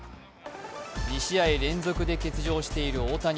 ２試合連続で欠場している大谷。